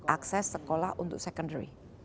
akses sekolah untuk secondary